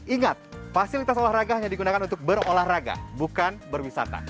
ingat fasilitas olahraga hanya digunakan untuk berolahraga bukan berwisata